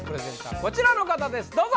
こちらの方ですどうぞ！